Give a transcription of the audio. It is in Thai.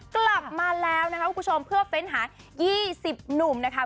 กลับมาแล้วนะคะคุณผู้ชมเพื่อเฟ้นหา๒๐หนุ่มนะคะ